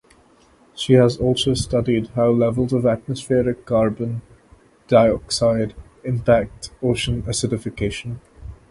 She has also studied how levels of atmospheric carbon dioxide impact ocean acidification.